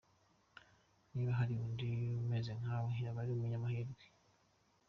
Niba hari undi umeze nkawe yaba ari umunyamahirwe.